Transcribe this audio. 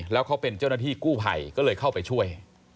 แล้วเขาเป็นเจ้าหน้าที่กู้ภัยก็เลยเข้าไปช่วย